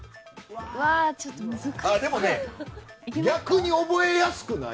でもね、逆に覚えやすくない？